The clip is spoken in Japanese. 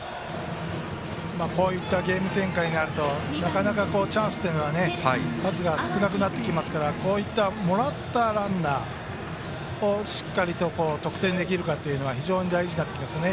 こういったゲーム展開になるとなかなかチャンスの数が少なくなってきますからこういったもらったランナーをしっかりと得点つなげるかが非常に大事になりますね。